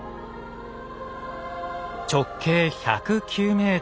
直径１０９ｍ。